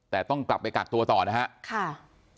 แต่ต้องกลับไปกักตัวต่อนะครับ